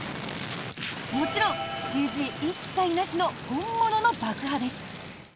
もちろんＣＧ一切なしの本物の爆破です。